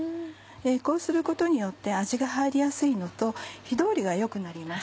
こうすることによって味が入りやすいのと火通りがよくなります。